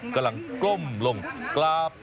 กำลังก้มลงกราบ